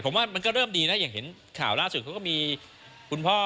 ผมว่ามันก็เริ่มดีนะอย่างเห็นข่าวล่าสุดเขาก็มีคุณพ่อ